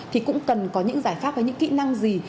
thì cũng cần có những giải pháp hay những kỹ năng gì